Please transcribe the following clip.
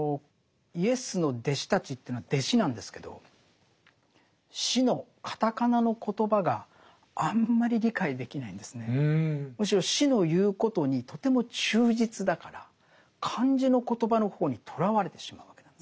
イエスの弟子たちというのは弟子なんですけどむしろ師の言うことにとても忠実だから漢字の言葉の方にとらわれてしまうわけなんです。